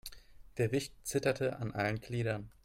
Der Wicht zitterte an allen Gliedern.